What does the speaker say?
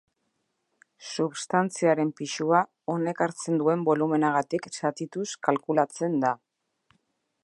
Substantziaren pisua, honek hartzen duen bolumenagatik zatituz kalkulatzen da.